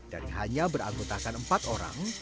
dan hanya berangkutakan empat orang